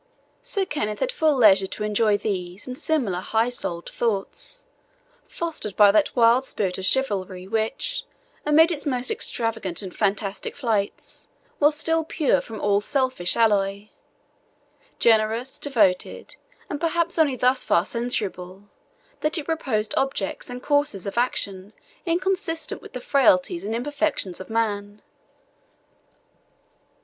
Sir Kenneth had full leisure to enjoy these and similar high souled thoughts, fostered by that wild spirit of chivalry, which, amid its most extravagant and fantastic flights, was still pure from all selfish alloy generous, devoted, and perhaps only thus far censurable, that it proposed objects and courses of action inconsistent with the frailties and imperfections of man.